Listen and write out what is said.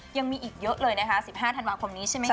ยังมีอีกเยอะเลยนะคะ๑๕ธันวาคมนี้ใช่ไหมคะ